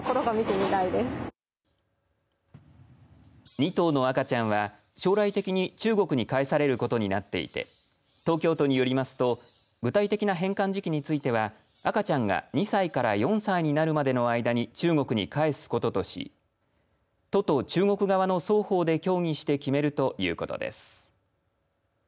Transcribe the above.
２頭の赤ちゃんは将来的に中国に返されることになっていて東京都によりますと具体的な返還時期については赤ちゃんが２歳から４歳になるまでの間に中国に返すこととし都と中国側の双方で協議して決めるということです。